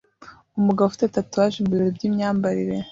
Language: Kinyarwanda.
Umugabo ufite tatuwaje mubirori byimyambarire